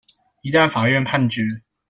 一旦法院判決